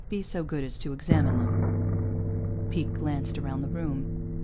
Be so good as to examine them." Pete glanced around the room.